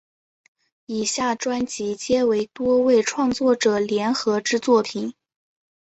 以下专辑皆为多位创作者联合之作品。